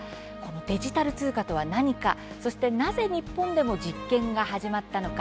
デジタル通貨とは何かそして、なぜ日本でも実験が始まったのか。